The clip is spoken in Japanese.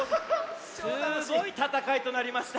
すごいたたかいとなりました。